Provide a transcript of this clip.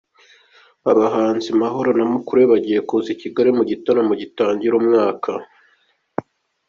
Abahanzi mahoro na mukuru we bagiye kuza i Kigali mu gitaramo gitangira umwaka